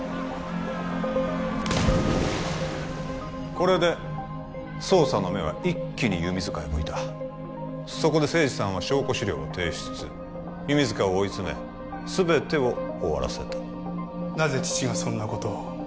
これで捜査の目は一気に弓塚へ向いたそこで清二さんは証拠資料を提出弓塚を追い詰め全てを終わらせたなぜ父がそんなことを？